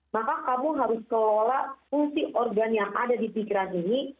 maka kamu harus kelola fungsi organ yang ada di pikiran ini